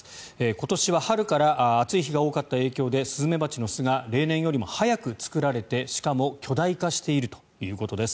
今年は春から暑い日が多かった影響でスズメバチの巣が例年よりも早く作られてしかも、巨大化しているということです。